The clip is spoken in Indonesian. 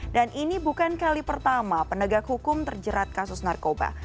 dan ini bukan kali pertama penegak hukum terjerat kasus narkoba